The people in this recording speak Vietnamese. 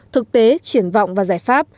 thực tế triển vọng và giải pháp